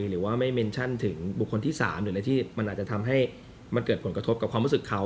หรือว่าไม่เมนชั่นถึงบุคคลที่๓หรืออะไรที่มันอาจจะทำให้มันเกิดผลกระทบกับความรู้สึกเขา